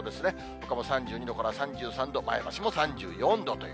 ほかも３２度から３３度、前橋も３４度という。